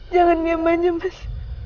jangan diam aja mas